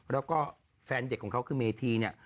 แล้วก็แฟนเด็กของเขาคือเมธีเนี่ย